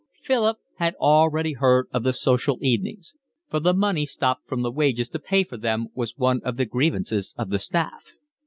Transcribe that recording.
Philip had already heard of the social evenings, for the money stopped from the wages to pay for them was one of the grievances of the staff.